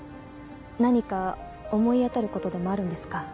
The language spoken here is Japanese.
何か思い当たる事でもあるんですか？